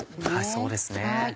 そうですね。